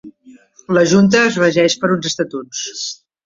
La Junta es regeix per uns estatuts.